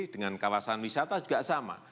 dengan kawasan wisata juga sama